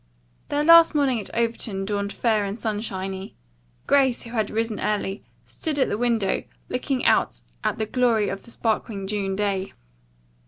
Their last morning at Overton dawned fair and sunshiny. Grace, who had risen early, stood at the window, looking out at the glory of the sparkling June day.